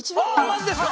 マジですか！？